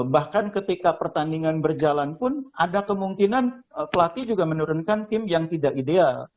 bahkan ketika pertandingan berjalan pun ada kemungkinan pelatih juga menurunkan tim yang tidak ideal